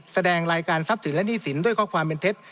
แสดงรายการทรัพย์สินและหนี้สินด้วยข้อความเป็นเท็จ